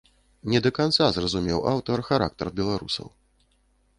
Не да канца зразумеў аўтар характар беларусаў.